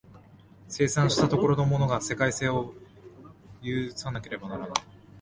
生産した所のものが世界性を有たなければならない。